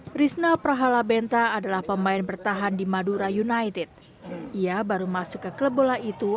hai rizna prahalabenta adalah pemain bertahan di madura united ia baru masuk ke klub bola itu